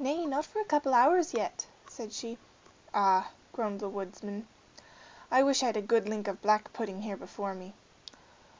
"Nay, not for a couple of hours yet," said she. "Ah!" groaned the woodman, "I wish I'd a good link of black pudding here before me."